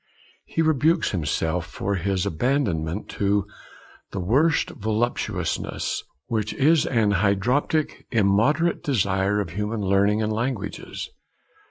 He rebukes himself for his abandonment to 'the worst voluptuousness, which is an hydroptic, immoderate desire of human learning and languages.'